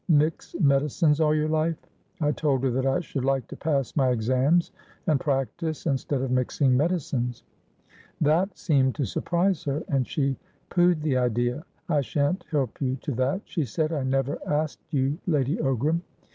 'Mix medicines all your life?' I told her that I should like to pass my exams, and practise, instead of mixing medicines. That seemed to surprise her, and she pooh'd the idea. 'I shan't help you to that,' she said. 'I never asked you, Lady Ogram!'